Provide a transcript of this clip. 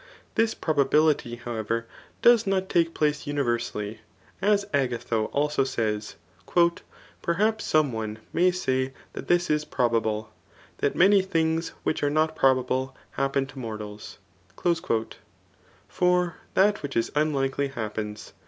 This probability, however, does not take place universally, as Agatho also says, ^* Perhaps some one may say that this is probi^le^ that many things which are not prd>able happen to mortals.'' For that which is unlikely happens.